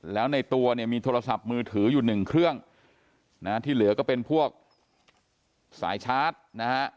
แล้วในตัวมีโทรศัพท์มือถืออยู่๑เครื่องที่เหลือก็เป็นพวกสายชาร์จ